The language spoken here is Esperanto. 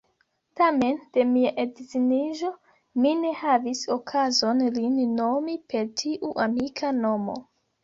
Tamen, de mia edziniĝo, mi ne havis okazon lin nomi per tiu amika nomo.